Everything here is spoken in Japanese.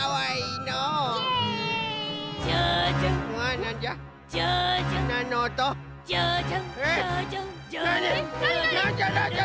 なんじゃ！？